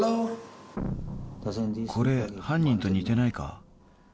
これ、犯人と似てないか？